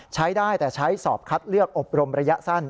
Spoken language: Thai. ใช้ได้แต่ใช้สอบคัดเลือกอบรมระยะสั้น